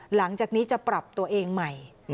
หลังจากนี้จะปรับตัวเองใหม่